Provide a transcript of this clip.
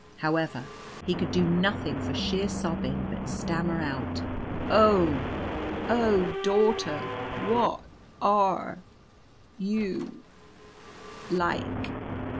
However, he could do nothing for sheer sobbing, but stammer out, "Oh oh dau gh ter. Wha t ar e y ou l l like?"